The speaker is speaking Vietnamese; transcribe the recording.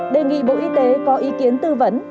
đề nghị bộ y tế có ý kiến tư vấn